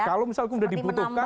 kalau misalkan udah dibutuhkan